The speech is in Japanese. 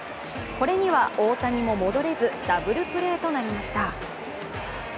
これには大谷も戻れずダブルプレーとなりました。